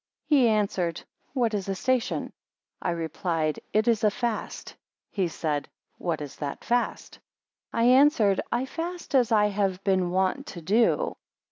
2 He answered, What is a station; I replied, it is a fast. He said, What is that fast? I answered, I fast as I have been wont to do.